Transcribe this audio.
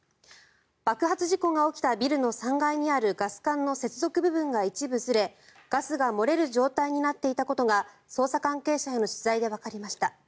爆発事故が起きたビルの３階にあるガス管の接続部分が一部ずれガスが漏れる状態になっていたことが捜査関係者への取材でわかりました。